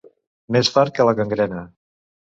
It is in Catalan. Més fart que la gangrena.